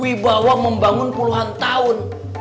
wibawa membangun puluhan tahun